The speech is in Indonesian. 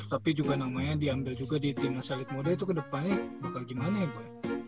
tapi juga namanya diambil juga di timnas elite mode itu ke depannya bakal gimana ya bo